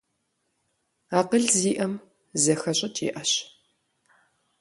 Акъыл зиӀэм, зэхэщӀыкӀ иӀэщ.